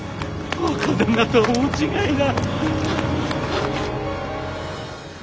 若旦那とは大違いだ！